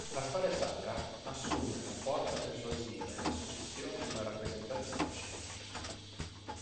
La storia sacra assume la forza persuasiva e la suggestione di una rappresentazione scenica.